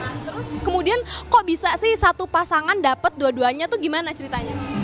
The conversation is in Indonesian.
nah terus kemudian kok bisa sih satu pasangan dapat dua duanya tuh gimana ceritanya